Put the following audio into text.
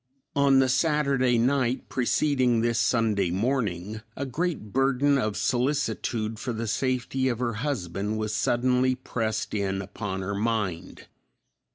On the Saturday night, preceding this Sunday morning, a great burden of solicitude for the safety of her husband was suddenly pressed in upon her mind.